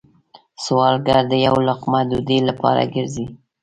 سوالګر د یو لقمه ډوډۍ لپاره گرځي